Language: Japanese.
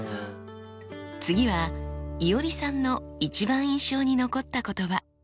次はいおりさんの一番印象に残った言葉。